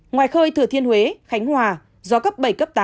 ngoài khơi thừa thiên huế khánh hòa gió cấp bảy cấp tám